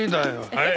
はい。